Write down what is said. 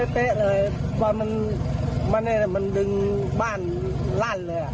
ทุกวันมันดึงบ้านลั่นเลยอ่ะ